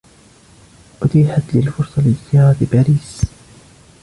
أتيحت لي الفرصة لزيارة باريس.